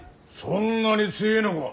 そんなに強えのか。